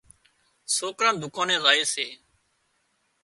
سوڪران دُڪاني زائي سي